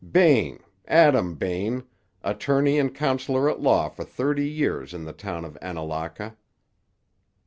"Bain, Adam Bain, attorney and counselor at law for thirty years in the town of Annalaka."